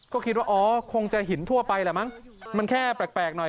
ก็คิดว่าอ๋อคงจะหินทั่วไปแหละมั้งมันแค่แปลกหน่อย